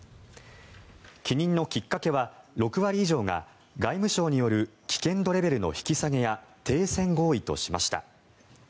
帰任のきっかけは６割以上が外務省による危険度レベルの引き下げや停戦合意としました。